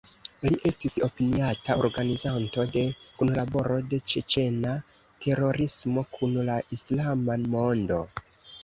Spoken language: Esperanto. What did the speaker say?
Li estis opiniata organizanto de kunlaboro de ĉeĉena terorismo kun la islama mondo.